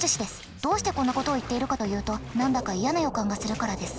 どうしてこんなことを言っているかというと何だか嫌な予感がするからです。